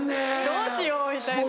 どうしようみたいな感じ。